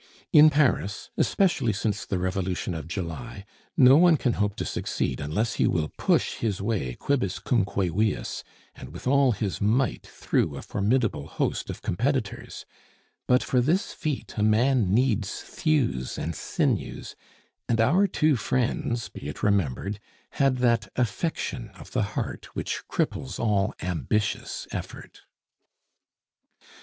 In Paris (especially since the Revolution of July) no one can hope to succeed unless he will push his way quibuscumque viis and with all his might through a formidable host of competitors; but for this feat a man needs thews and sinews, and our two friends, be it remembered, had that affection of the heart which cripples all ambitious effort.